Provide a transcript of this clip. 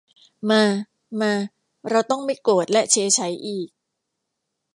มา มา เราต้องไม่โกรธและเฉไฉอีก